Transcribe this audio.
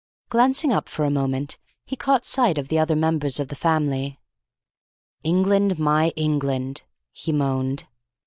Glancing up for a moment, he caught sight of the other members of the family. "England, my England!" he moaned.